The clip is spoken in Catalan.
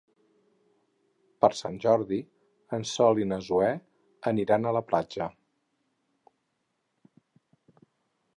Per Sant Jordi en Sol i na Zoè aniran a la platja.